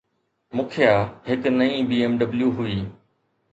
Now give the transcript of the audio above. مکيه هڪ نئين BMW هئي.